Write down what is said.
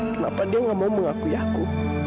kenapa dia gak mau mengakui aku